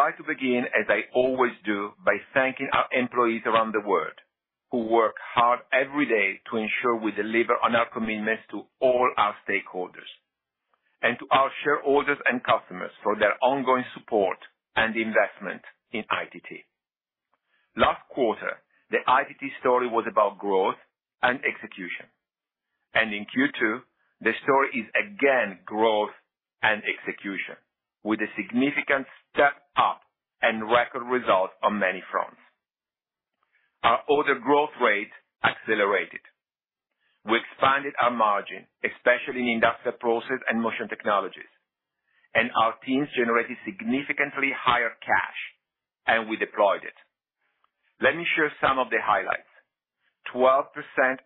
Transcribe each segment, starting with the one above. I'd like to begin, as I always do, by thanking our employees around the world, who work hard every day to ensure we deliver on our commitment to all our stakeholders. To our shareholders and customers for their ongoing support and investment in ITT. Last quarter, the ITT story was about growth and execution, in Q2, the story is again growth and execution, with a significant step up and record results on many fronts. Our order growth rate accelerated. We expanded our margin, especially in Industrial Process and Motion Technologies, our teams generated significantly higher cash, and we deployed it. Let me share some of the highlights. 12%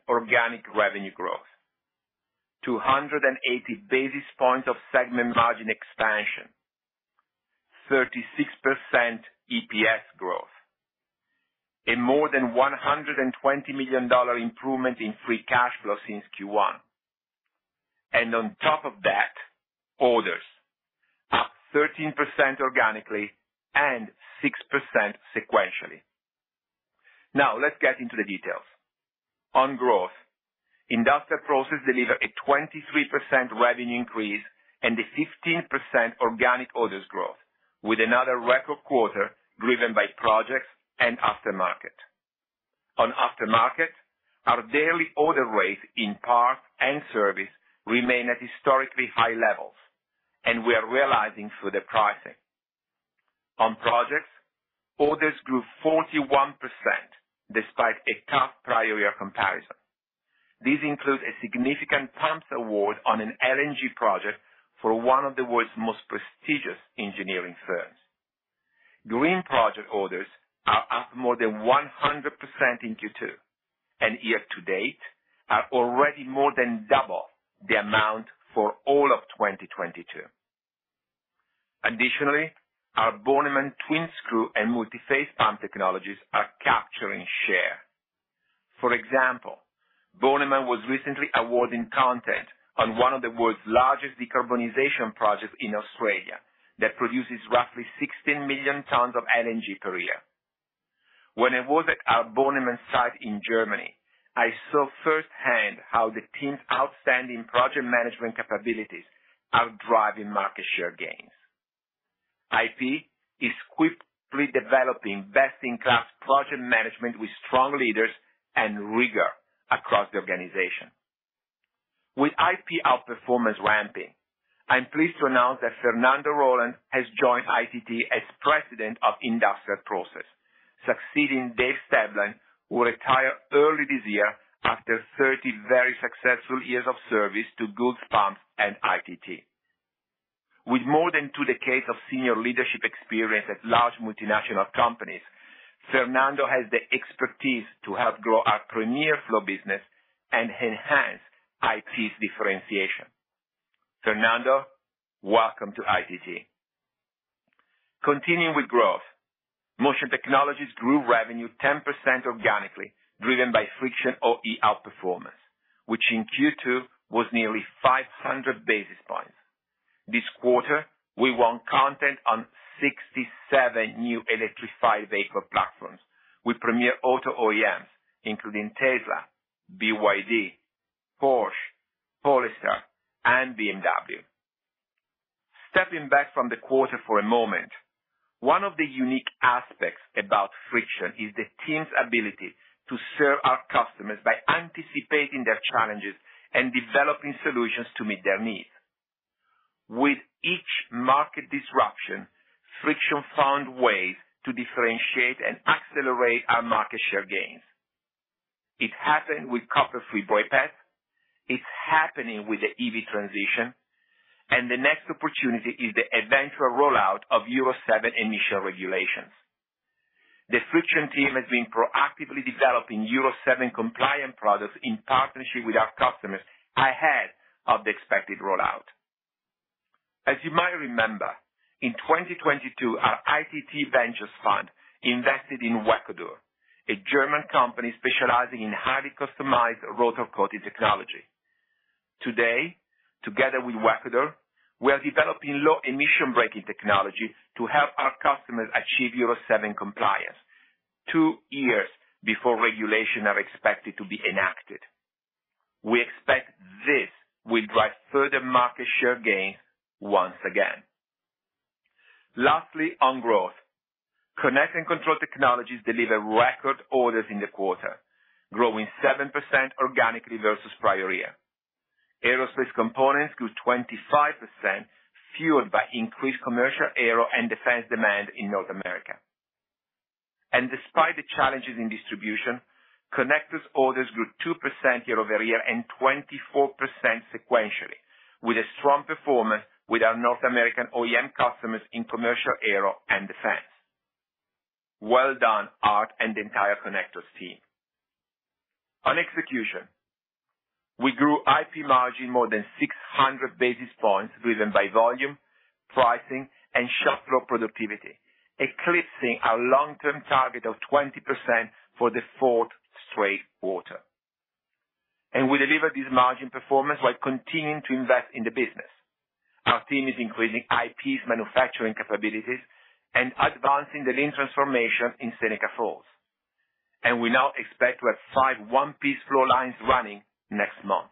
organic revenue growth, 280 basis points of segment margin expansion, 36% EPS growth, and more than $120 million improvement in free cash flow since Q1. On top of that, orders up 13% organically and 6% sequentially. Now, let's get into the details. On growth, Industrial Process delivered a 23% revenue increase and a 15% organic orders growth, with another record quarter driven by projects and aftermarket. On aftermarket, our daily order rates in parts and service remain at historically high levels, and we are realizing further pricing. On projects, orders grew 41% despite a tough prior year comparison. These include a significant pumps award on an LNG project for one of the world's most prestigious engineering firms. Green project orders are up more than 100% in Q2, and year to date are already more than double the amount for all of 2022. Additionally, our Bornemann twin-screw and multiphase pump technologies are capturing share. For example, Bornemann was recently awarded content on one of the world's largest decarbonization projects in Australia, that produces roughly 16 million tons of LNG per year. When I visited our Bornemann site in Germany, I saw firsthand how the team's outstanding project management capabilities are driving market share gains. IP is quickly developing best-in-class project management with strong leaders and rigor across the organization. With IP outperformance ramping, I'm pleased to announce that Fernando Roland has joined ITT as President of Industrial Process, succeeding Dave Stedman, who retired early this year after 30 very successful years of service to Goulds Pumps and ITT. With more than 2 decades of senior leadership experience at large multinational companies, Fernando has the expertise to help grow our premier flow business and enhance IP's differentiation. Fernando, welcome to ITT. Continuing with growth, Motion Technologies grew revenue 10% organically, driven by Friction OE outperformance, which in Q2 was nearly 500 basis points. This quarter, we won content on 67 new electrified vehicle platforms with premier auto OEMs, including Tesla, BYD, Porsche, Polestar, and BMW. Stepping back from the quarter for a moment, one of the unique aspects about Friction is the team's ability to serve our customers by anticipating their challenges and developing solutions to meet their needs. With each market disruption, Friction found ways to differentiate and accelerate our market share gains. It happened with copper-free bypass. It's happening with the EV transition, and the next opportunity is the eventual rollout of Euro 7 initial regulations. The Friction team has been proactively developing Euro 7 compliant products in partnership with our customers ahead of the expected rollout. As you might remember, in 2022, our ITT Ventures fund invested in Wöhrle, a German company specializing in highly customized rotor coating technology. Today, together with Wöhrle, we are developing low-emission braking technology to help our customers achieve Euro 7 compliance, 2 years before regulation are expected to be enacted. We expect this will drive further market share gains once again. Lastly, on growth, Connect and Control Technologies deliver record orders in the quarter, growing 7% organically versus prior year. Aerospace components grew 25%, fueled by increased commercial aero and defense demand in North America. Despite the challenges in distribution, connectors orders grew 2% year-over-year and 24% sequentially, with a strong performance with our North American OEM customers in commercial, aero, and defense. Well done, Art and the entire connectors team. On execution, we grew IP margin more than 600 basis points, driven by volume, pricing, and shop floor productivity, eclipsing our long-term target of 20% for the fourth straight quarter. We deliver this margin performance while continuing to invest in the business. Our team is increasing IP's manufacturing capabilities and advancing the lean transformation in Seneca Falls, and we now expect to have 5 one-piece flow lines running next month.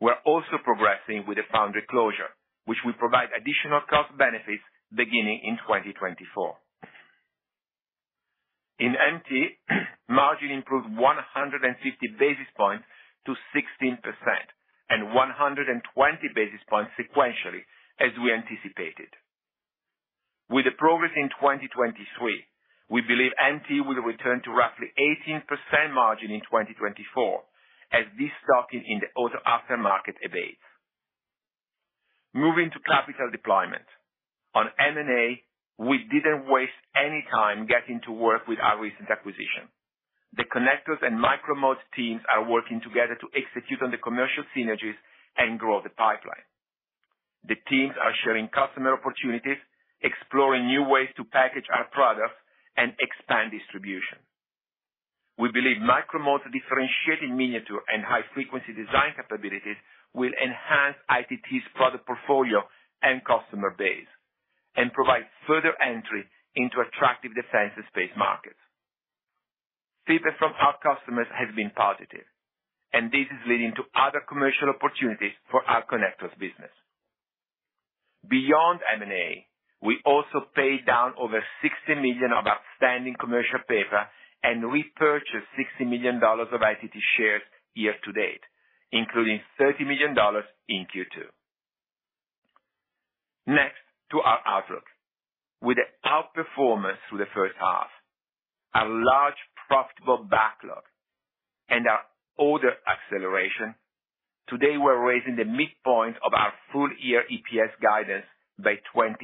We're also progressing with the foundry closure, which will provide additional cost benefits beginning in 2024. In MT, margin improved 150 basis points to 16%, and 120 basis points sequentially, as we anticipated. With the progress in 2023, we believe MT will return to roughly 18% margin in 2024, as this stocking in the auto aftermarket abates. Moving to capital deployment. On M&A, we didn't waste any time getting to work with our recent acquisition. The connectors and Micro-Mode teams are working together to execute on the commercial synergies and grow the pipeline. The teams are sharing customer opportunities, exploring new ways to package our products, and expand distribution. We believe Micro-Mode's differentiating miniature and high-frequency design capabilities will enhance ITT's product portfolio and customer base, and provide further entry into attractive defense and space markets. Feedback from our customers has been positive, and this is leading to other commercial opportunities for our connectors business. Beyond M&A, we also paid down over $60 million of outstanding commercial paper and repurchased $60 million of ITT shares year to date, including $30 million in Q2. Next, to our outlook. With an outperformance through the first half, a large profitable backlog, and our order acceleration, today we're raising the midpoint of our full-year EPS guidance by $0.25.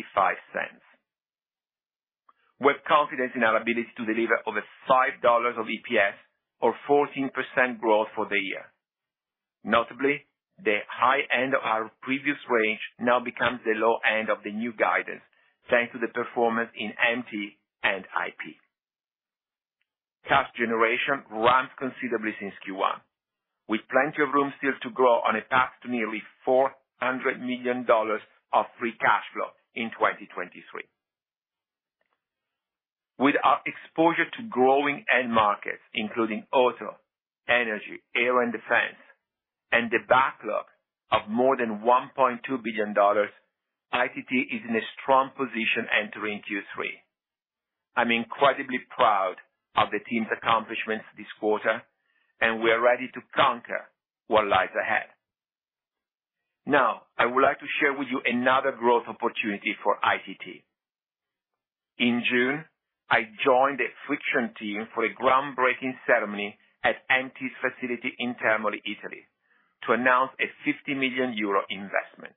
We're confident in our ability to deliver over $5 of EPS or 14% growth for the year. Notably, the high end of our previous range now becomes the low end of the new guidance, thanks to the performance in MT and IP. Cash generation ramped considerably since Q1, with plenty of room still to grow on a path to nearly $400 million of free cash flow in 2023. With our exposure to growing end markets, including auto, energy, aero and defense, and the backlog of more than $1.2 billion, ITT is in a strong position entering Q3. I'm incredibly proud of the team's accomplishments this quarter. We are ready to conquer what lies ahead. Now, I would like to share with you another growth opportunity for ITT. In June, I joined the Friction team for a groundbreaking ceremony at MT's facility in Termoli, Italy, to announce a 50 million euro investment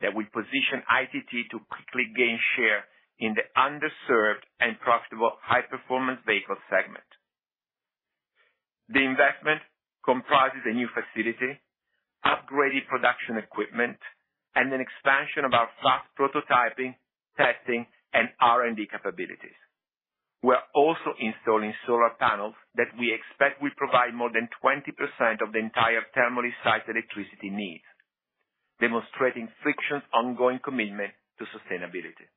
that will position ITT to quickly gain share in the underserved and profitable high-performance vehicle segment. The investment comprises a new facility, upgraded production equipment, and an expansion of our fast prototyping, testing, and R&D capabilities. We're also installing solar panels that we expect will provide more than 20% of the entire Termoli site electricity needs, demonstrating Friction's ongoing commitment to sustainability.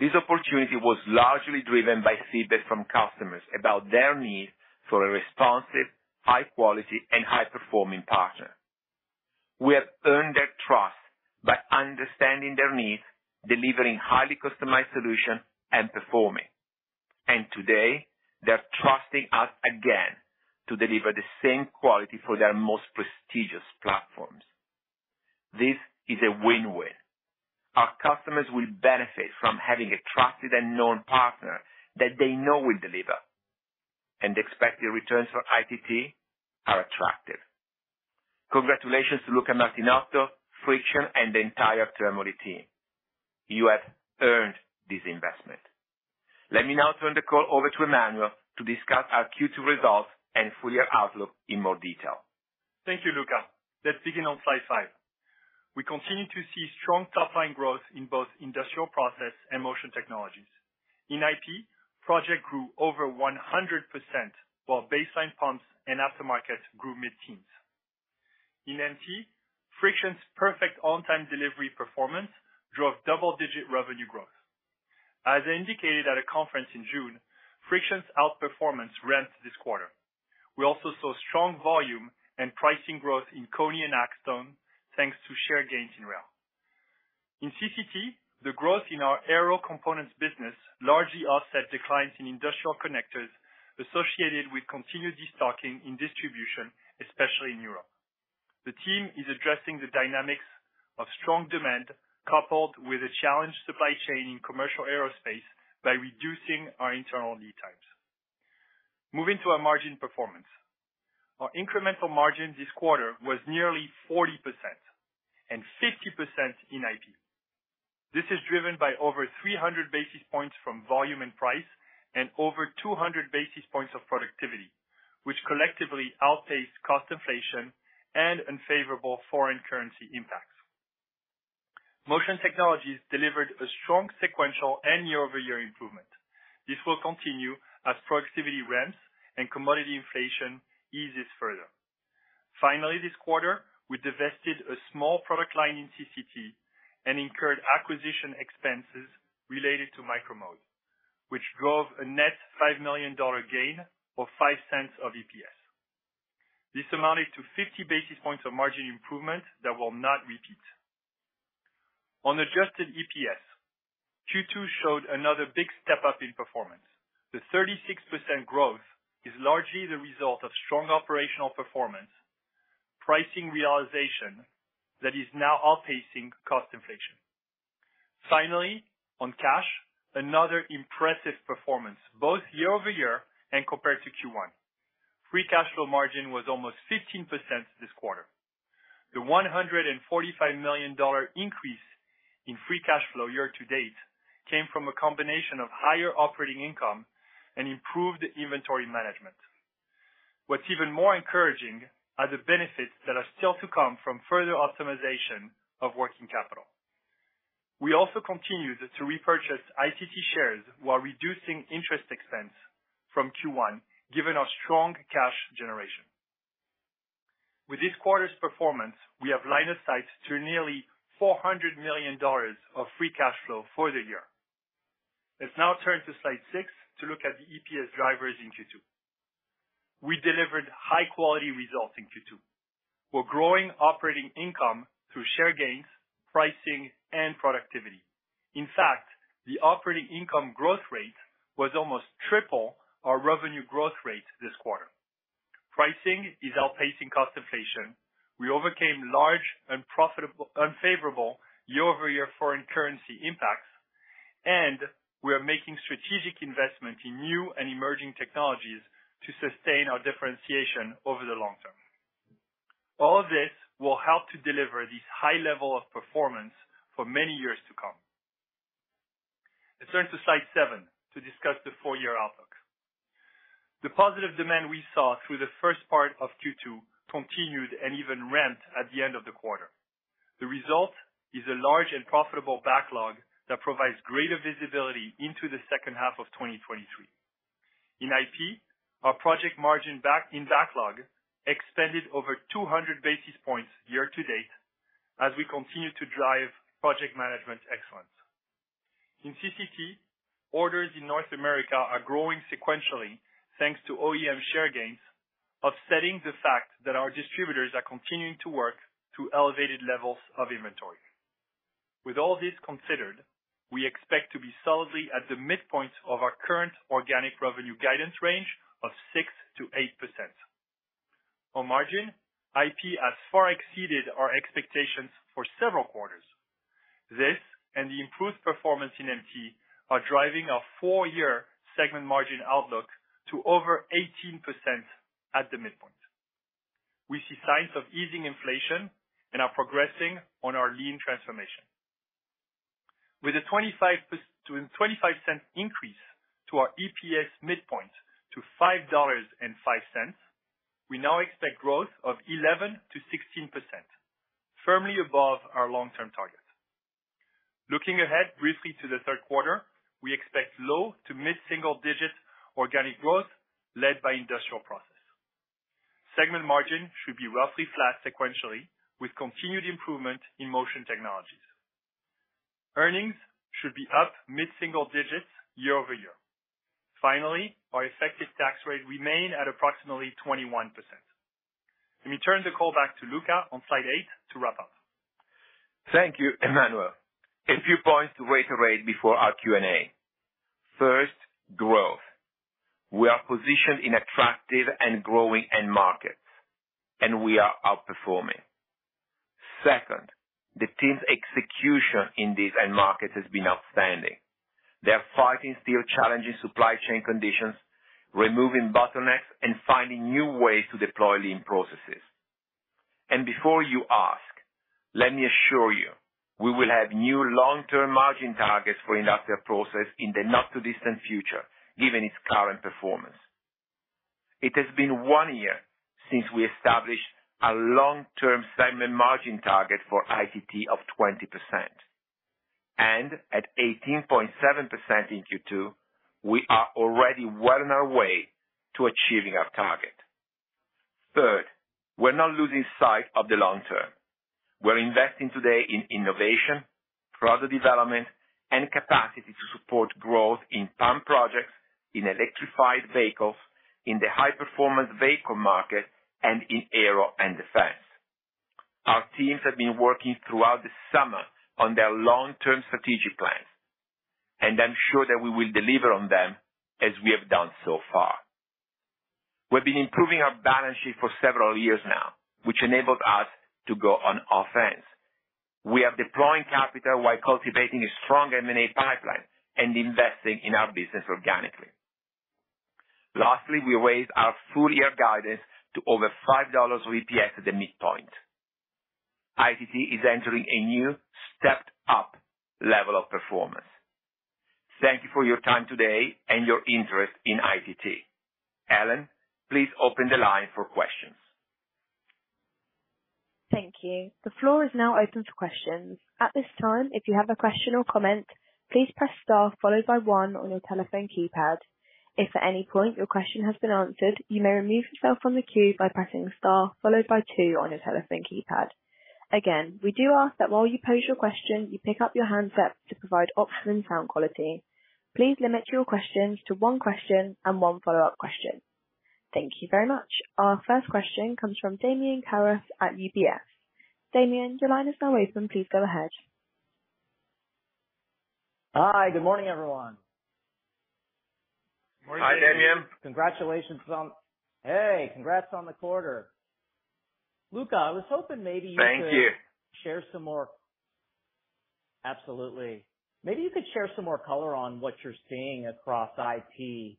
This opportunity was largely driven by feedback from customers about their need for a responsive, high quality, and high-performing partner. We have earned their trust by understanding their needs, delivering highly customized solution, and performing, and today, they are trusting us again to deliver the same quality for their most prestigious platforms. This is a win-win. Our customers will benefit from having a trusted and known partner that they know will deliver, and the expected returns for ITT are attractive. Congratulations to Luca Martinotto, Friction, and the entire Termoli team. You have earned this investment. Let me now turn the call over to Emmanuel to discuss our Q2 results and full year outlook in more detail. Thank you, Luca. Let's begin on slide 5. We continue to see strong top line growth in both Industrial Process and Motion Technologies. In IP, project grew over 100%, while baseline pumps and aftermarket grew mid-teens. In MT, Friction's perfect on-time delivery performance drove double-digit revenue growth. As indicated at a conference in June, Friction's outperformance ramped this quarter. We also saw strong volume and pricing growth in KONI and Axtone, thanks to share gains in rail. In CCT, the growth in our aero components business largely offset declines in industrial connectors associated with continued destocking in distribution, especially in Europe. The team is addressing the dynamics of strong demand, coupled with a challenged supply chain in commercial aerospace by reducing our internal lead times. Moving to our margin performance. Our incremental margin this quarter was nearly 40% and 50% in IP. This is driven by over 300 basis points from volume and price, and over 200 basis points of productivity, which collectively outpaced cost inflation and unfavorable foreign currency impacts. Motion Technologies delivered a strong sequential and year-over-year improvement. This will continue as productivity ramps and commodity inflation eases further. Finally, this quarter, we divested a small product line in CCT and incurred acquisition expenses related to Micro-Mode, which drove a net $5 million gain, or $0.05 of EPS. This amounted to 50 basis points of margin improvement that will not repeat. On adjusted EPS, Q2 showed another big step-up in performance. The 36% growth is largely the result of strong operational performance, pricing realization that is now outpacing cost inflation. Finally, on cash, another impressive performance, both year-over-year and compared to Q1. Free cash flow margin was almost 15% this quarter. The $145 million increase in free cash flow year-to-date came from a combination of higher operating income and improved inventory management. What's even more encouraging are the benefits that are still to come from further optimization of working capital. We also continued to repurchase ITT shares while reducing interest expense from Q1, given our strong cash generation. With this quarter's performance, we have line of sight to nearly $400 million of free cash flow for the year. Let's now turn to slide six to look at the EPS drivers in Q2. We delivered high quality results in Q2. We're growing operating income through share gains, pricing, and productivity. In fact, the operating income growth rate was almost triple our revenue growth rate this quarter. Pricing is outpacing cost inflation. We overcame large unfavorable year-over-year foreign currency impacts. We are making strategic investment in new and emerging technologies to sustain our differentiation over the long term. All of this will help to deliver this high level of performance for many years to come. Let's turn to slide 7, to discuss the full year outlook. The positive demand we saw through the first part of Q2 continued and even ramped at the end of the quarter. The result is a large and profitable backlog that provides greater visibility into the second half of 2023. In IP, our project margin in backlog expanded over 200 basis points year-to-date, as we continue to drive project management excellence. In CCT, orders in North America are growing sequentially, thanks to OEM share gains, offsetting the fact that our distributors are continuing to work through elevated levels of inventory. With all this considered, we expect to be solidly at the midpoint of our current organic revenue guidance range of 6%-8%. On margin, IP has far exceeded our expectations for several quarters. This, and the improved performance in MT, are driving our four-year segment margin outlook to over 18% at the midpoint. We see signs of easing inflation and are progressing on our lean transformation. With a 25 cent increase to our EPS midpoint to $5.05, we now expect growth of 11%-16%, firmly above our long-term target. Looking ahead briefly to the third quarter, we expect low to mid-single digit organic growth, led by Industrial Process. Segment margin should be roughly flat sequentially, with continued improvement in Motion Technologies. Earnings should be up mid-single digits year-over-year. Our effective tax rate remain at approximately 21%. Let me turn the call back to Luca on Slide 8 to wrap up. Thank you, Emmanuel. A few points to reiterate before our Q&A. First, growth. We are positioned in attractive and growing end markets, and we are outperforming. Second, the team's execution in these end markets has been outstanding. They are fighting still challenging supply chain conditions, removing bottlenecks, and finding new ways to deploy lean processes. Before you ask, let me assure you, we will have new long-term margin targets for Industrial Process in the not-too-distant future, given its current performance. It has been 1 year since we established a long-term segment margin target for CCT of 20%, and at 18.7% in Q2, we are already well on our way to achieving our target. Third, we're not losing sight of the long term. We're investing today in innovation, product development, and capacity to support growth in pump projects, in electrified vehicles, in the high-performance vehicle market, and in aero and defense. Our teams have been working throughout the summer on their long-term strategic plans. I'm sure that we will deliver on them as we have done so far. We've been improving our balance sheet for several years now, which enabled us to go on offense. We are deploying capital while cultivating a strong M&A pipeline and investing in our business organically. Lastly, we raised our full year guidance to over $5 of EPS at the midpoint. CCT is entering a new, stepped-up level of performance. Thank you for your time today and your interest in ITT. Ellen, please open the line for questions. Thank you. The floor is now open for questions. At this time, if you have a question or comment, please press star followed by 1 on your telephone keypad. If at any point your question has been answered, you may remove yourself from the queue by pressing star followed by 2 on your telephone keypad. Again, we do ask that while you pose your question, you pick up your handset to provide optimum sound quality. Please limit your questions to 1 question and 1 follow-up question. Thank you very much. Our first question comes from Damian Karas at UBS. Damian, your line is now open. Please go ahead. Hi, good morning, everyone. Morning. Hi, Damian. Hey, congrats on the quarter. Luca, I was hoping maybe you could- Thank you. Share some more. Absolutely. Maybe you could share some more color on what you're seeing across ITT.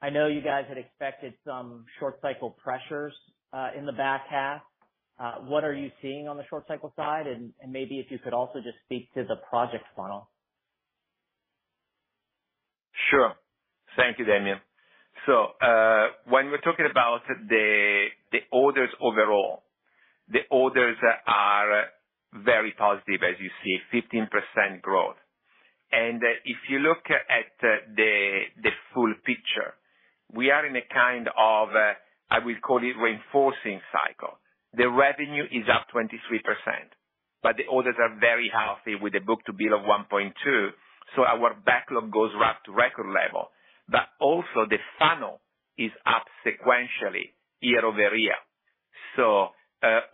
I know you guys had expected some short cycle pressures, in the back half. What are you seeing on the short cycle side? Maybe if you could also just speak to the project funnel. Sure. Thank you, Damian Karas. When we're talking about the, the orders overall, the orders are very positive, as you see, 15% growth. If you look at, at the, the full picture, we are in a kind of, I will call it reinforcing cycle. The revenue is up 23%, the orders are very healthy with the book-to-bill of 1.2, our backlog goes up to record level. Also the funnel is up sequentially, year-over-year.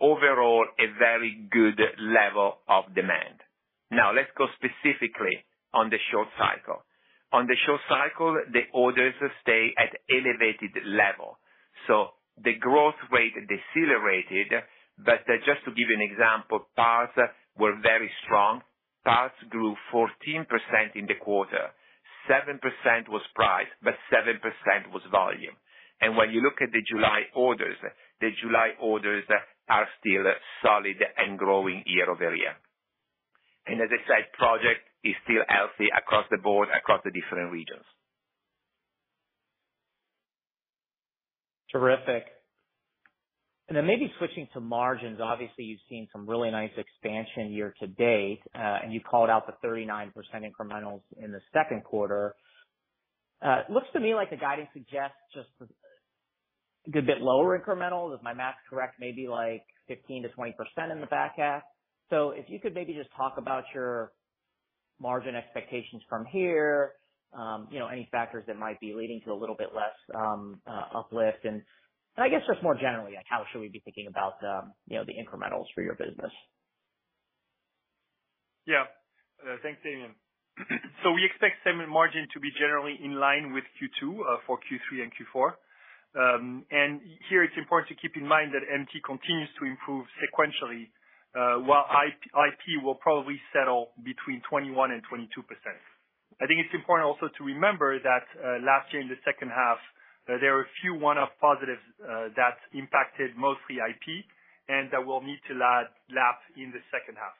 Overall, a very good level of demand. Now, let's go specifically on the short cycle. On the short cycle, the orders stay at elevated level, the growth rate decelerated. Just to give you an example, parts were very strong. Parts grew 14% in the quarter. 7% was price, 7% was volume. When you look at the July orders, the July orders are still solid and growing year-over-year. As I said, project is still healthy across the board, across the different regions. Terrific. Maybe switching to margins. Obviously, you've seen some really nice expansion year-to-date, and you called out the 39% incrementals in the second quarter. It looks to me like the guidance suggests just a good bit lower incremental. Is my math correct? Maybe like 15%-20% in the back half. If you could maybe just talk about your margin expectations from here, you know, any factors that might be leading to a little bit less uplift. I guess just more generally, like, how should we be thinking about, you know, the incrementals for your business? Yeah. Thanks, Damian. We expect segment margin to be generally in line with Q2 for Q3 and Q4. Here it's important to keep in mind that MT continues to improve sequentially, while IP will probably settle between 21% and 22%. I think it's important also to remember that last year in the second half, there were a few one-off positives that impacted mostly IP, and that we'll need to lap in the second half.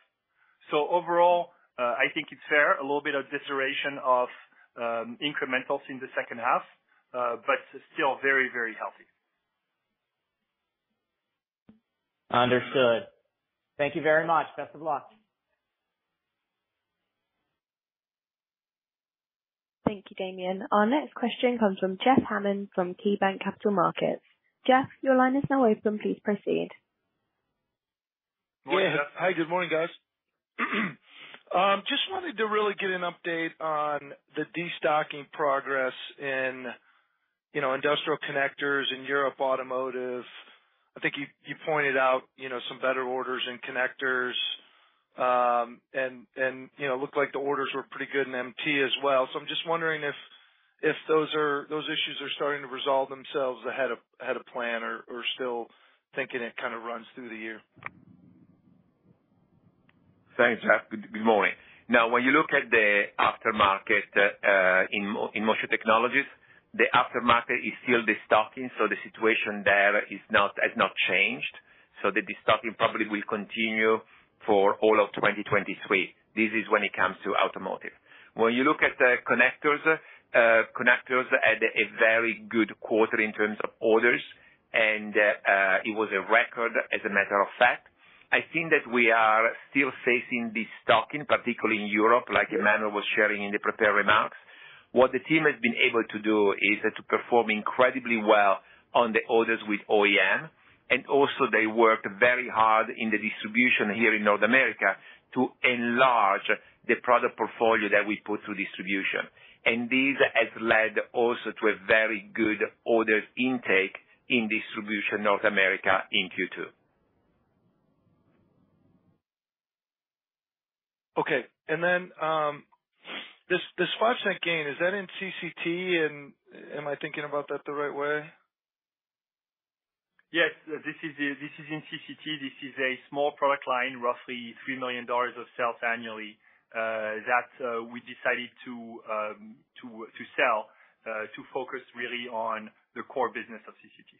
Overall, I think it's fair, a little bit of deceleration of incrementals in the second half, but still very, very healthy. Understood. Thank you very much. Best of luck. Thank you, Damian. Our next question comes from Jeff Hammond, from KeyBanc Capital Markets. Jeff, your line is now open. Please proceed. Yeah. Hi, good morning, guys. Just wanted to really get an update on the destocking progress in, you know, industrial connectors in Europe automotive. I think you, you pointed out, you know, some better orders in connectors, and, and, you know, looked like the orders were pretty good in MT as well. I'm just wondering if those issues are starting to resolve themselves ahead of, ahead of plan or, or still thinking it kind of runs through the year. Thanks, Jeff. Good, good morning. When you look at the aftermarket in Motion Technologies, the aftermarket is still destocking, so the situation there is not, has not changed. The destocking probably will continue for all of 2023. This is when it comes to automotive. When you look at the connectors, connectors had a very good quarter in terms of orders, and it was a record, as a matter of fact. I think that we are still facing destocking, particularly in Europe, like Emmanuel was sharing in the prepared remarks. What the team has been able to do is to perform incredibly well on the orders with OEM, and also they worked very hard in the distribution here in North America to enlarge the product portfolio that we put through distribution. This has led also to a very good orders intake in distribution North America in Q2. Okay. Then, this $0.05 gain, is that in CCT? Am I thinking about that the right way? Yes, this is, this is in CCT. This is a small product line, roughly $3 million of sales annually, that we decided to sell to focus really on the core business of CCT.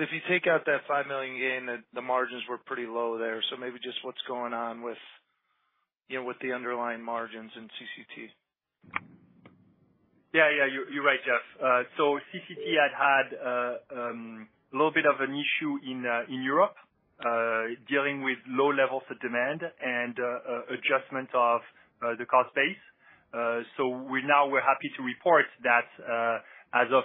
If you take out that $5 million gain, the margins were pretty low there. Maybe just what's going on with, you know, with the underlying margins in CCT? Yeah, yeah, you're, you're right, Jeff. CCT had had a little bit of an issue in Europe, dealing with low levels of demand and adjustment of the cost base. We now we're happy to report that as of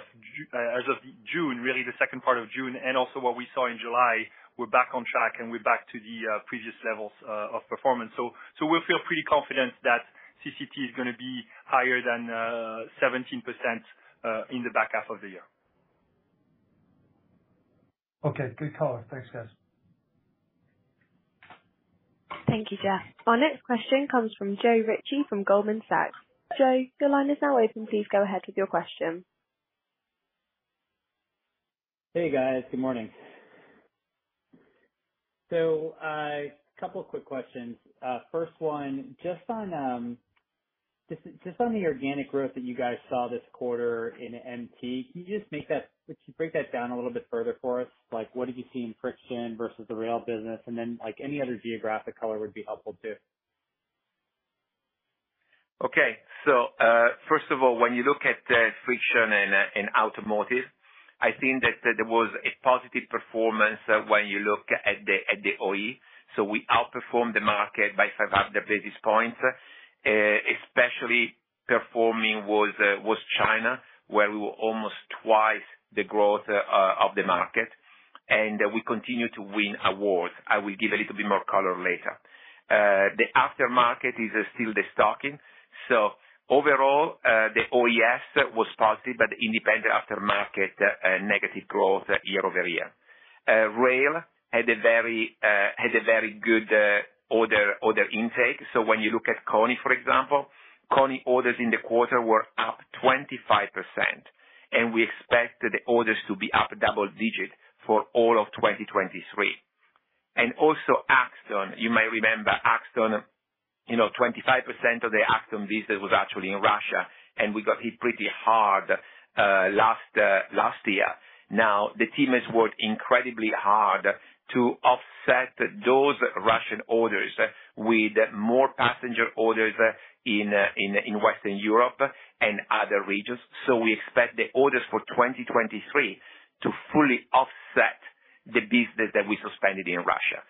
June, really, the second part of June, and also what we saw in July, we're back on track, and we're back to the previous levels of performance. We feel pretty confident that CCT is gonna be higher than 17% in the back half of the year. Okay. Good call. Thanks, guys. Thank you, Jeff. Our next question comes from Joe Ritchie from Goldman Sachs. Joe, your line is now open. Please go ahead with your question. Hey, guys. Good morning. A couple of quick questions. First one, just on the organic growth that you guys saw this quarter in MT, would you break that down a little bit further for us? Like, what have you seen in Friction versus the rail business, and then, like, any other geographic color would be helpful too. Okay. First of all, when you look at Friction and automotive, I think that there was a positive performance when you look at the OE. We outperformed the market by 500 basis points. Especially performing was China, where we were almost twice the growth of the market. We continue to win awards. I will give a little bit more color later. The aftermarket is still the stocking. Overall, the OES was positive, but independent aftermarket negative growth year-over-year. Rail had a very good order intake. When you look at KONI, for example, KONI orders in the quarter were up 25%, and we expect the orders to be up double digit for all of 2023. Also Axtone. You may remember Axtone, you know, 25% of the Axtone business was actually in Russia, and we got hit pretty hard, last year. Now, the team has worked incredibly hard to offset those Russian orders with more passenger orders in Western Europe and other regions. We expect the orders for 2023 to fully offset the business that we suspended in Russia.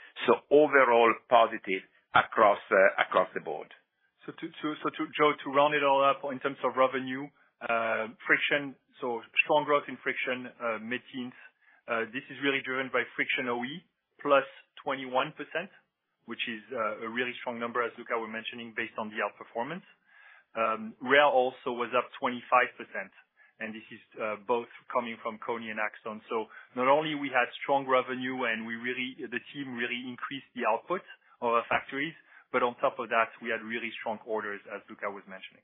Overall, positive across the board. Joe, to round it all up in terms of revenue, Friction. Strong growth in Friction, mid-teens. This is really driven by Friction OE, plus 21%, which is a really strong number, as Luca was mentioning, based on the outperformance. Rail also was up 25%, and this is both coming from KONI and Axtone. Not only we had strong revenue, and the team really increased the output of our factories, but on top of that, we had really strong orders, as Luca was mentioning.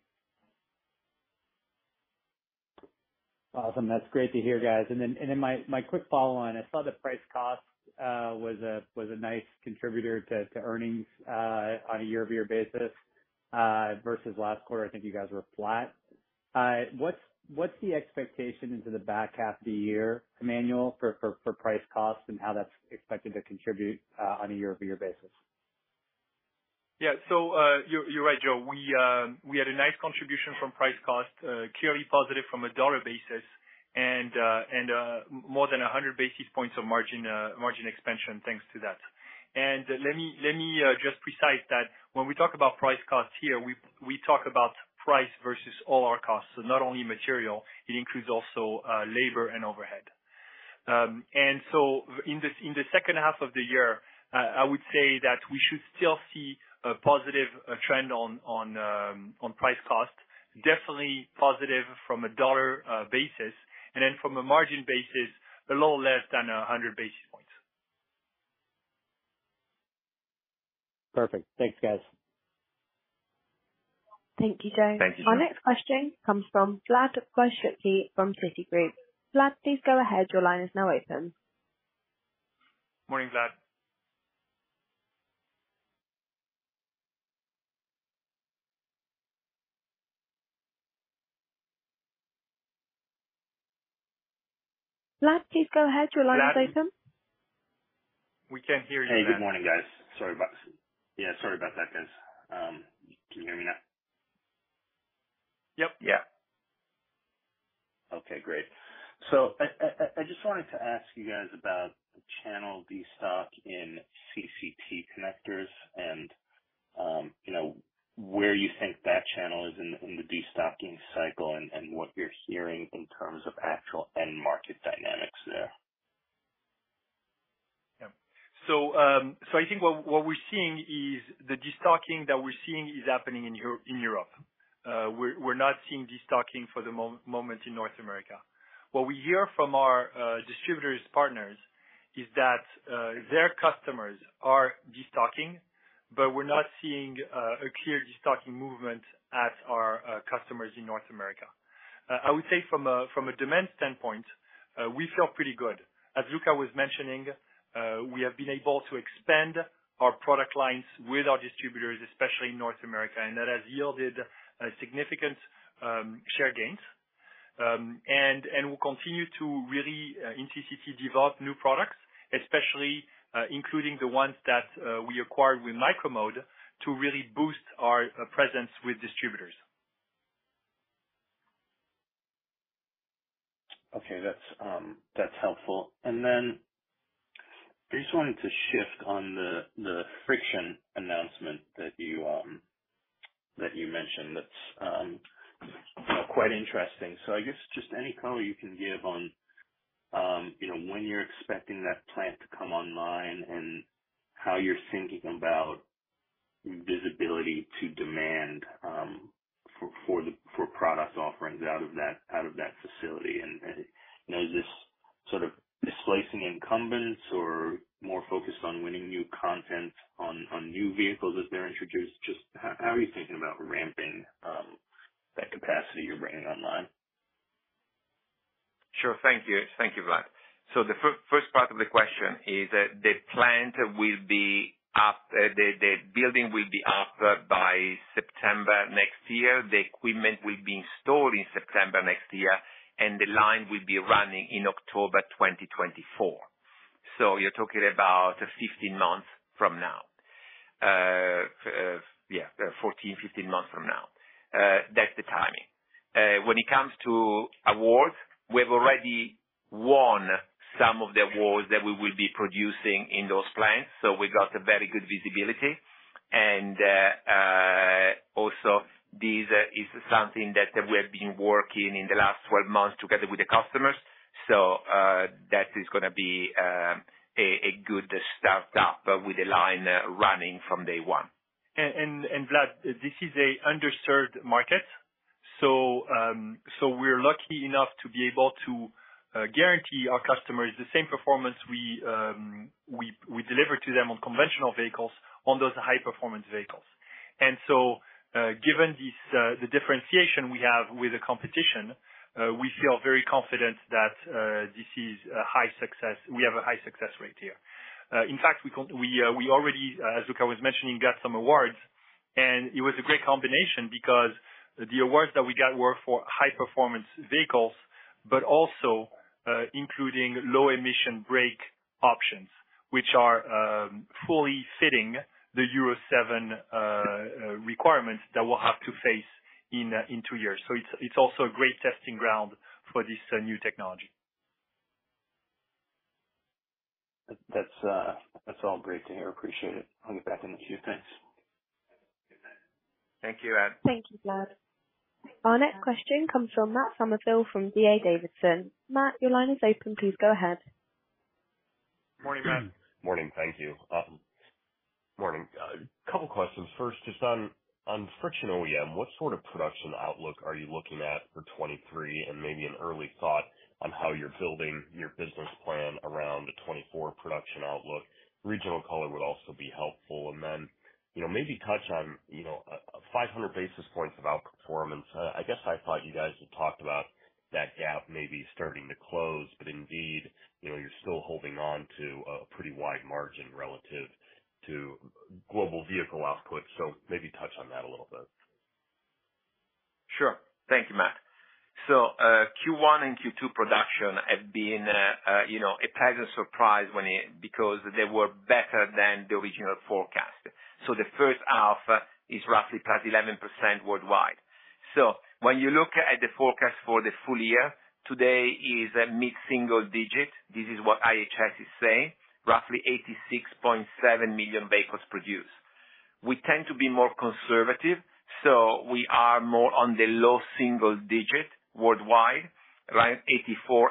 Awesome! That's great to hear, guys. My, my quick follow on. I saw the price cost was a, was a nice contributor to, to earnings on a year-over-year basis versus last quarter, I think you guys were flat. What's, what's the expectation into the back half of the year, Emmanuel, for, for, for price costs and how that's expected to contribute on a year-over-year basis? Yeah. You're, you're right, Joe. We, we had a nice contribution from price cost, clearly positive from a dollar basis, and, and, more than 100 basis points of margin, margin expansion, thanks to that. Let me, let me, just precise that when we talk about price costs here, we, we talk about price versus all our costs. Not only material, it includes also, labor and overhead. In the, in the second half of the year, I would say that we should still see a positive trend on, on price cost. Definitely positive from a dollar basis, and then from a margin basis, a little less than 100 basis points. Perfect. Thanks, guys. Thank you, Joe. Thank you. Our next question comes from Vlad Koshinsky from Citigroup. Vlad, please go ahead. Your line is now open. Morning, Vlad. Vlad, please go ahead. Your line is open. We can't hear you, Vlad. Hey, good morning, guys. Sorry about that. Sorry about that, guys. Can you hear me now? Yep. Yeah. Okay, great. I just wanted to ask you guys about channel destock in CCT connectors and, you know, where you think that channel is in, in the destocking cycle, and, and what you're hearing in terms of actual end market dynamics there. I think what we're seeing is the destocking that we're seeing is happening in Europe. We're not seeing destocking for the moment in North America. What we hear from our distributors partners is that their customers are destocking, but we're not seeing a clear destocking movement at our customers in North America. I would say from a from a demand standpoint, we feel pretty good. As Luca was mentioning, we have been able to expand our product lines with our distributors, especially in North America, and that has yielded significant share gains. We'll continue to really in CCT, develop new products, especially including the ones that we acquired with Micro-Mode, to really boost our presence with distributors. Okay, that's, that's helpful. I just wanted to shift on the, the Friction announcement that you, that you mentioned. That's quite interesting. I guess just any color you can give on, you know, when you're expecting that plant to come online and how you're thinking about visibility to demand for, for the, for product offerings out of that, out of that facility. And, you know, is this sort of displacing incumbents or more focused on winning new content on, on new vehicles as they're introduced? Just how, how are you thinking about ramping that capacity you're bringing online? Sure. Thank you. Thank you, Vlad. The first part of the question is that the plant will be up, the building will be up by September next year. The equipment will be installed in September next year, and the line will be running in October 2024. You're talking about 15 months from now. Yeah, 14, 15 months from now. That's the timing. When it comes to awards, we've already won some of the awards that we will be producing in those plants, so we got a very good visibility. Also, this is something that we have been working in the last 12 months together with the customers. That is gonna be a good start up with the line running from day one. Vlad, this is a underserved market, we're lucky enough to be able to guarantee our customers the same performance we, we, we deliver to them on conventional vehicles, on those high performance vehicles. Given this, the differentiation we have with the competition, we feel very confident that this is a high success rate here. In fact, we, we already, as Luca was mentioning, got some awards. It was a great combination because the awards that we got were for high performance vehicles, but also, including low emission brake options, which are fully fitting the Euro 7 requirements that we'll have to face in two years. It's, it's also a great testing ground for this new technology. That's, that's all great to hear. Appreciate it. I'll get back in the queue. Thanks. Good night. Thank you, Vlad. Thank you, Vlad. Our next question comes from Matt Summerville, from D.A. Davidson. Matt, your line is open. Please go ahead. Morning, Matt. Morning. Thank you. Morning. Couple questions. First, just on Friction OE, what sort of production outlook are you looking at for 2023? And maybe an early thought on how you're building your business plan around the 2024 production outlook. Regional color would also be helpful. And then, you know, maybe touch on, you know, 500 basis points of outperformance. I guess I thought you guys had talked about that gap maybe starting to close, but indeed, you know, you're still holding on to a pretty wide margin relative to global vehicle output. Maybe touch on that a little bit. Sure. Thank you, Matt. Q1 and Q2 production have been, you know, a pleasant surprise because they were better than the original forecast. The first half is roughly +11% worldwide. When you look at the forecast for the full year, today is a mid-single digit. This is what IHS is saying, roughly 86.7 million vehicles produced. We tend to be more conservative, we are more on the low single digit worldwide, right? 84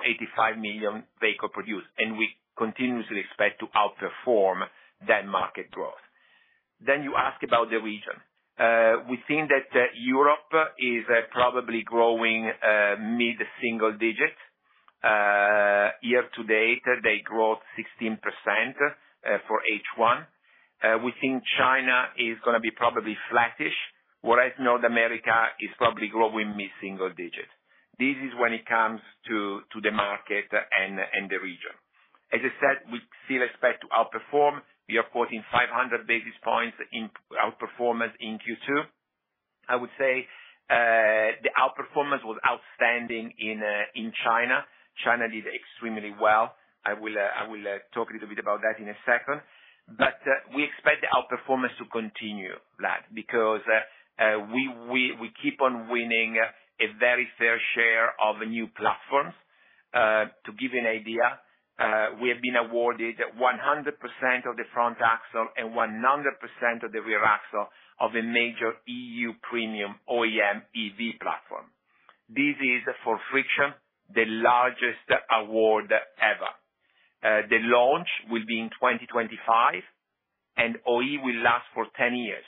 million-85 million vehicle produced, we continuously expect to outperform that market growth. You ask about the region. We think that Europe is probably growing mid-single digits. Year to date, they grew 16% for H1. We think China is gonna be probably flattish, whereas North America is probably growing mid-single digits. This is when it comes to, to the market and, and the region. As I said, we still expect to outperform. We are quoting 500 basis points in outperformance in Q2. I would say, the outperformance was outstanding in, in China. China did extremely well. I will, I will, talk a little bit about that in a second. We expect the outperformance to continue, Matt, because, we, we, we keep on winning a very fair share of new platforms. To give you an idea, we have been awarded 100% of the front axle and 100% of the rear axle of a major EU premium OEM EV platform. This is, for Friction, the largest award ever. The launch will be in 2025, and OE will last for 10 years.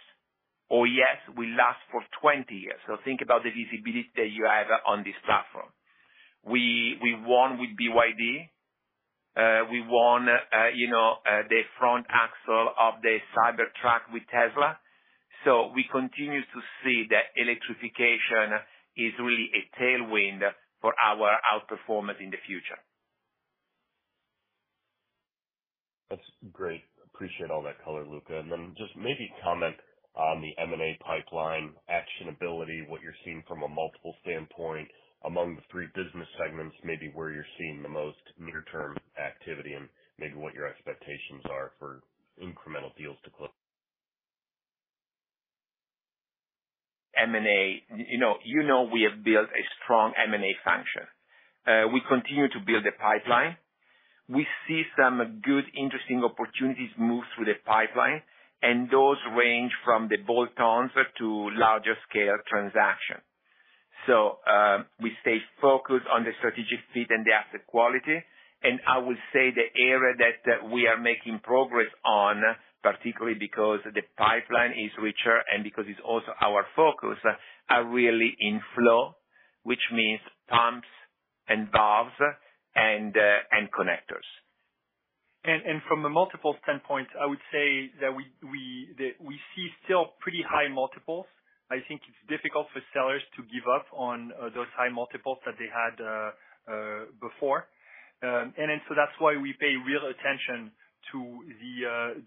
OES will last for 20 years. Think about the visibility that you have on this platform. We, we won with BYD, we won, you know, the front axle of the Cybertruck with Tesla. We continue to see that electrification is really a tailwind for our outperformance in the future. That's great. Appreciate all that color, Luca. Just maybe comment on the M&A pipeline actionability, what you're seeing from a multiple standpoint among the three business segments, maybe where you're seeing the most near-term activity, and maybe what your expectations are for incremental deals to close? M&A, you know, you know we have built a strong M&A function. We continue to build the pipeline. We see some good, interesting opportunities move through the pipeline, and those range from the bolt-ons to larger scale transaction. We stay focused on the strategic fit and the asset quality, and I would say the area that we are making progress on, particularly because the pipeline is richer and because it's also our focus, are really in flow, which means pumps and valves and connectors. From a multiple standpoint, I would say that we, that we see still pretty high multiples. I think it's difficult for sellers to give up on those high multiples that they had before. Then so that's why we pay real attention to the,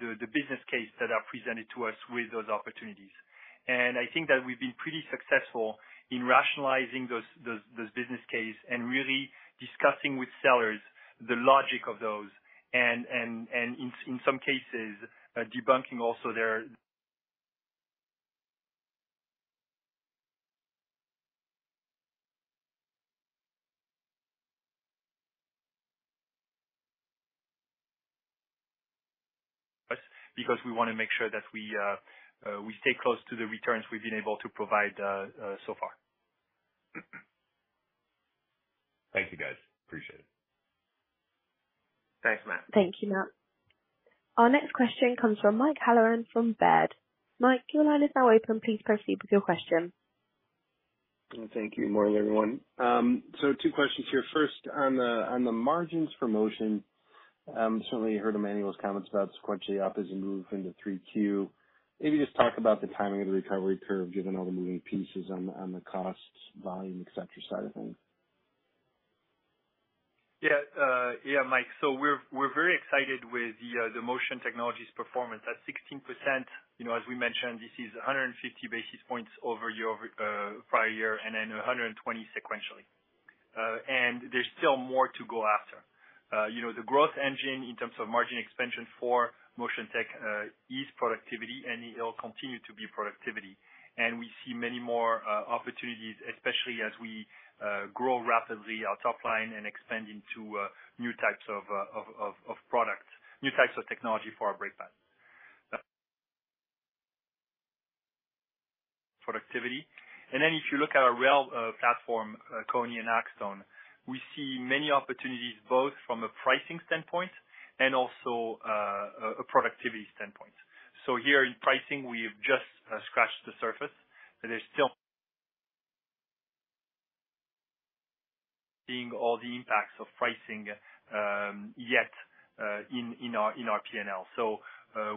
the, the business case that are presented to us with those opportunities. And I think that we've been pretty successful in rationalizing those, those, those business case and really discussing with sellers the logic of those and, and, and in some cases, debunking also their ... us, because we wanna make sure that we stay close to the returns we've been able to provide so far. Thank you, guys. Appreciate it. Thanks, Matt. Thank you, Matt. Our next question comes from Mike Halloran, from Baird. Mike, your line is now open. Please proceed with your question. Thank you. Good morning, everyone. two questions here. First, on the, on the margins for Motion, certainly you heard Emmanuel's comments about sequentially up as you move into 3Q. Maybe just talk about the timing of the recovery curve, given all the moving pieces on the, on the costs, volume, et cetera, side of things. Mike, we're very excited with the Motion Technologies performance at 16%. You know, as we mentioned, this is 150 basis points over year prior year, and then 120 sequentially. There's still more to go after. You know, the growth engine in terms of margin expansion for Motion Tech is productivity, and it'll continue to be productivity. We see many more opportunities, especially as we grow rapidly our top line and expand into new types of products, new types of technology for our brake pad. Productivity. If you look at our rail platform, KONI and Axtone, we see many opportunities, both from a pricing standpoint and also a productivity standpoint. Here in pricing, we have just scratched the surface, but there's still seeing all the impacts of pricing yet in our P&L.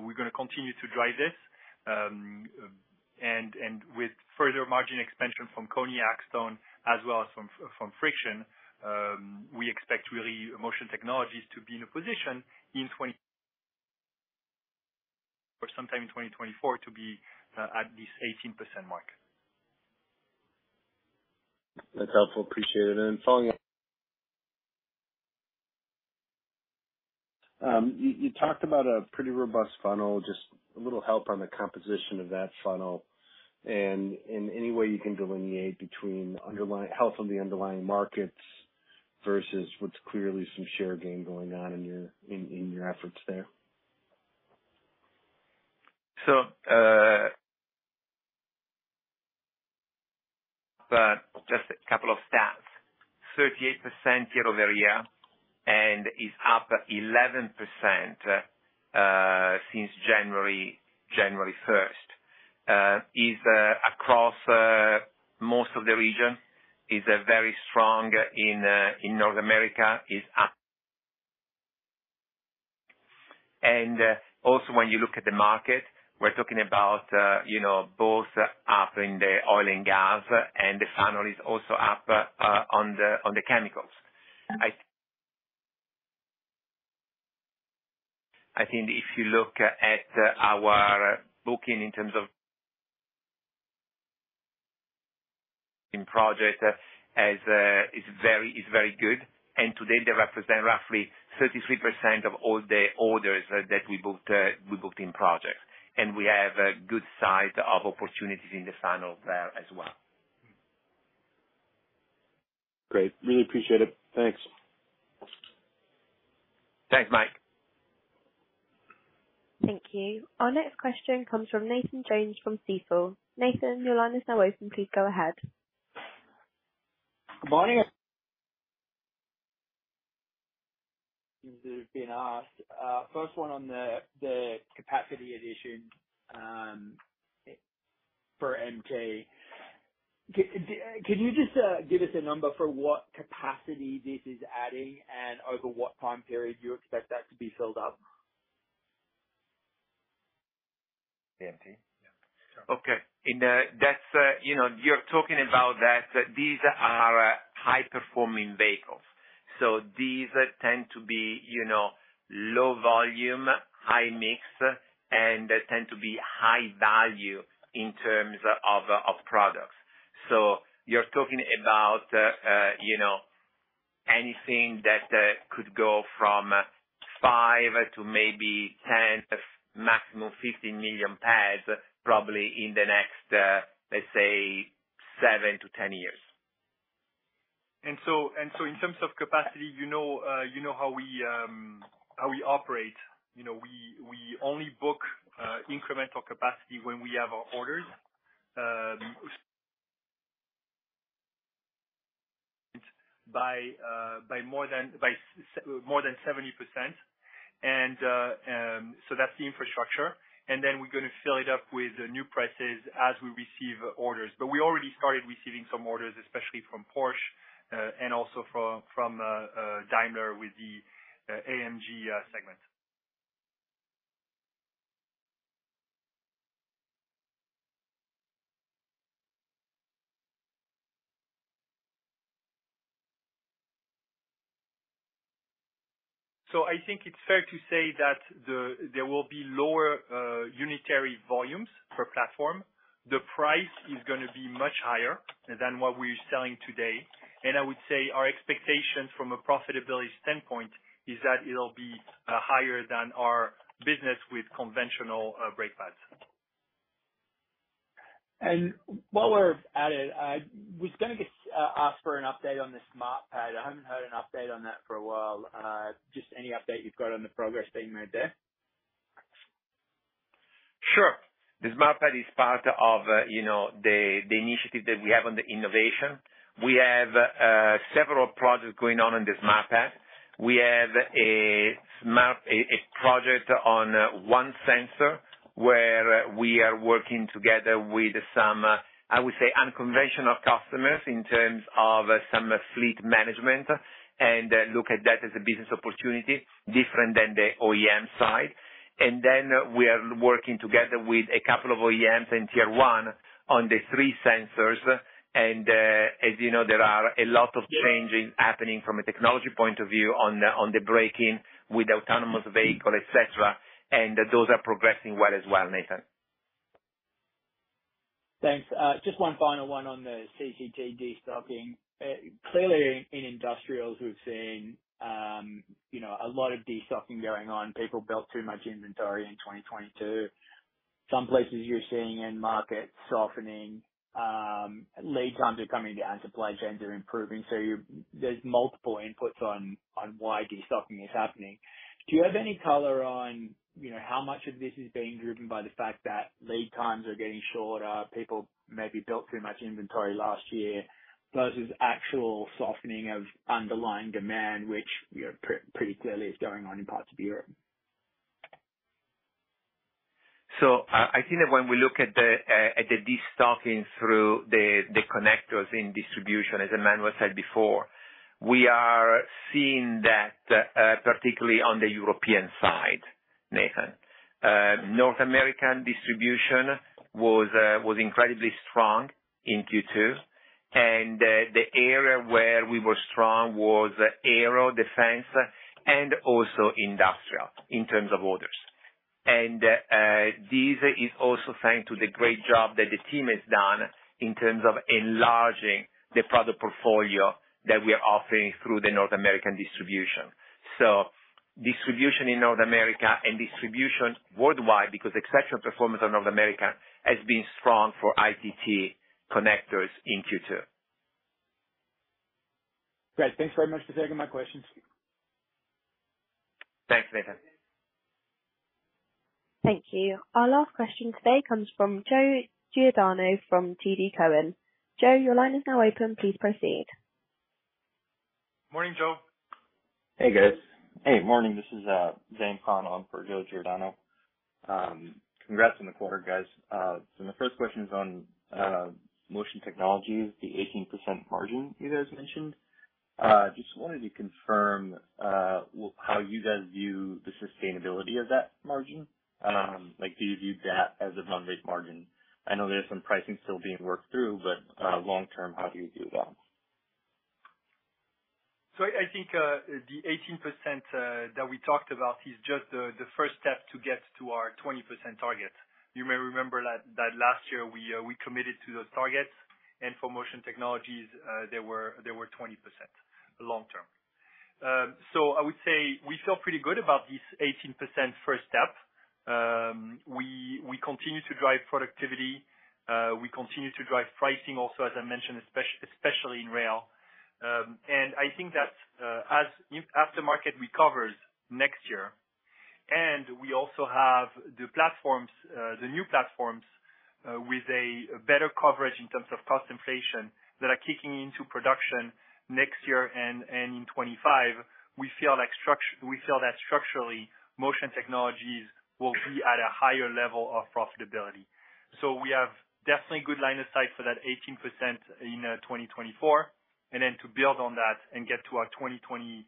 We're gonna continue to drive this, and with further margin expansion from KONI, Axtone as well as from Friction, we expect really Motion Technologies to be in a position sometime in 2024 to be at this 18% mark. That's helpful. Appreciate it. Then following, you talked about a pretty robust funnel, just a little help on the composition of that funnel. In any way you can delineate between underlying, health of the underlying markets versus what's clearly some share gain going on in your efforts there? Just a couple of stats. 38% year-over-year, and is up 11% since January 1st. Is across most of the region, is very strong in North America, is up. Also when you look at the market, we're talking about, you know, both up in the oil and gas, and the funnel is also up on the chemicals. I think if you look at our booking in terms of in project as is very, is very good, and today they represent roughly 33% of all the orders that we booked, we booked in projects. We have a good size of opportunities in the funnel there as well. Great. Really appreciate it. Thanks. Thanks, Mike. Thank you. Our next question comes from Nathan Jones, from Stifel. Nathan, your line is now open. Please go ahead. Good morning. Things that have been asked. First one on the, the capacity addition, for MT.... can you just give us a number for what capacity this is adding, and over what time period do you expect that to be filled up? Anthony? Okay. In, that's, you know, you're talking about that these are high-performing vehicles. These tend to be, you know, low volume, high mix, and they tend to be high value in terms of, of products. You're talking about, you know, anything that could go from 5 to maybe 10, maximum 15 million pads, probably in the next, let's say, 7-10 years. So, and so in terms of capacity, you know, you know how we, how we operate. You know, we, we only book incremental capacity when we have our orders by more than 70%. So that's the infrastructure. Then we're gonna fill it up with new presses as we receive orders. We already started receiving some orders, especially from Porsche, and also from, from Daimler with the Mercedes-AMG segment. I think it's fair to say that There will be lower unitary volumes per platform. The price is gonna be much higher than what we're selling today. I would say our expectation from a profitability standpoint is that it'll be higher than our business with conventional brake pads. While we're at it, I was gonna get, ask for an update on the smart pad. I haven't heard an update on that for a while. Just any update you've got on the progress being made there? Sure. The smart pad is part of, you know, the, the initiative that we have on the innovation. We have several projects going on on the smart pad. We have a smart, a, a project on one sensor, where we are working together with some, I would say, unconventional customers in terms of some fleet management, and look at that as a business opportunity different than the OEM side. Then we are working together with a couple of OEMs in Tier 1 on the three sensors. As you know, there are a lot of changes happening from a technology point of view on the, on the braking with autonomous vehicle, et cetera, and those are progressing well as well, Nathan. Thanks. Just one final one on the CCT destocking. Clearly, in industrials, we've seen, you know, a lot of destocking going on. People built too much inventory in 2022. Some places you're seeing end markets softening, lead times are coming down, supply chains are improving. There's multiple inputs on, on why destocking is happening. Do you have any color on, you know, how much of this is being driven by the fact that lead times are getting shorter, people maybe built too much inventory last year, versus actual softening of underlying demand, which, you know, pretty clearly is going on in parts of Europe? I, I think that when we look at the at the destocking through the connectors in distribution, as Emmanuel said before, we are seeing that particularly on the European side, Nathan. North American distribution was incredibly strong in Q2, the area where we were strong was aero defense and also industrial in terms of orders. This is also thanks to the great job that the team has done in terms of enlarging the product portfolio that we are offering through the North American distribution. Distribution in North America and distribution worldwide, because exceptional performance in North America has been strong for CCT connectors in Q2. Great. Thanks very much for taking my questions. Thanks, Nathan. Thank you. Our last question today comes from Joe Giordano from TD Cowen. Joe, your line is now open. Please proceed. Morning, Joe. Hey, guys. Hey, morning, this is Zane Connell in for Joe Giordano. Congrats on the quarter, guys. My first question is on Motion Technologies, the 18% margin you guys mentioned. Just wanted to confirm how you guys view the sustainability of that margin. Like, do you view that as a run rate margin? I know there's some pricing still being worked through, but long term, how do you view that? I, I think the 18% that we talked about is just the first step to get to our 20% target. You may remember that, that last year we committed to those targets, and for Motion Technologies, they were, they were 20% long term. I would say we feel pretty good about this 18% first step. We, we continue to drive productivity. We continue to drive pricing also, as I mentioned, especially in rail. I think that as aftermarket recovers next year, and we also have the platforms, the new platforms, with a better coverage in terms of cost inflation that are kicking into production next year and in 25, we feel that structurally, Motion Technologies will be at a higher level of profitability. We have definitely good line of sight for that 18% in 2024, and then to build on that and get to our 2020,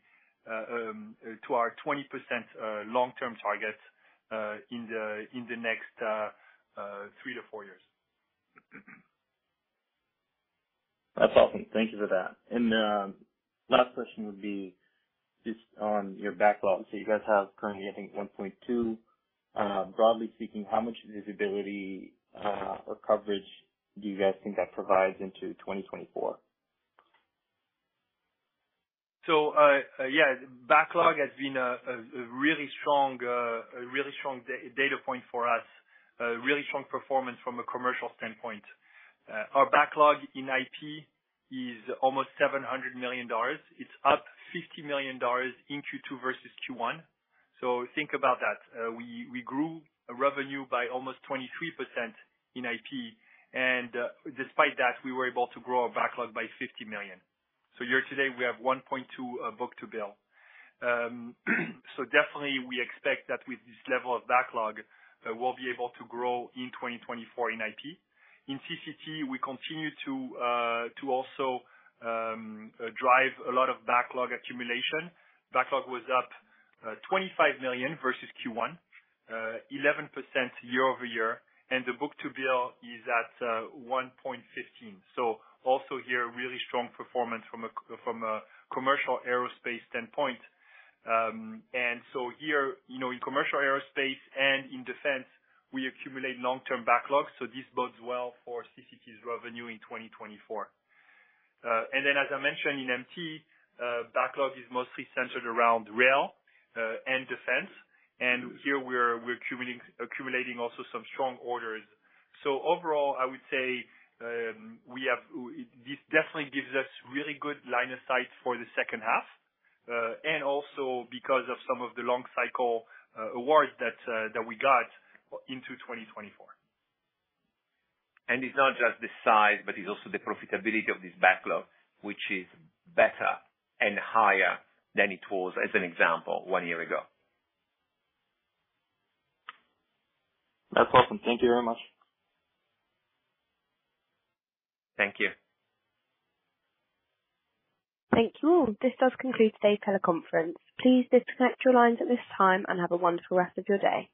to our 20% long-term target in the next three to four years. That's awesome. Thank you for that. Last question would be just on your backlog. You guys have currently, I think, $1.2. Broadly speaking, how much visibility or coverage do you guys think that provides into 2024? Yeah, backlog has been a really strong data point for us. A really strong performance from a commercial standpoint. Our backlog in IP is almost $700 million. It's up $50 million in Q2 versus Q1. Think about that. We grew a revenue by almost 23% in IP, despite that, we were able to grow our backlog by $50 million. Here today we have 1.2 book-to-bill. Definitely we expect that with this level of backlog, we'll be able to grow in 2024 in IP. In CCT, we continue to also drive a lot of backlog accumulation. Backlog was up $25 million versus Q1, 11% year-over-year, and the book-to-bill is at 1.15. Also here, really strong performance from a commercial aerospace standpoint. Here, you know, in commercial aerospace and in defense, we accumulate long-term backlogs, so this bodes well for CCT's revenue in 2024. As I mentioned in MT, backlog is mostly centered around rail and defense, and here we're accumulating also some strong orders. Overall, I would say, this definitely gives us really good line of sight for the second half, and also because of some of the long cycle awards that we got into 2024. It's not just the size, but it's also the profitability of this backlog, which is better and higher than it was, as an example, one year ago. That's awesome. Thank you very much. Thank you. Thank you all. This does conclude today's teleconference. Please disconnect your lines at this time and have a wonderful rest of your day.